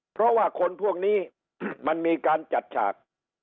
เพราะว่าคนพวกนี้มันมีการจัดฉาก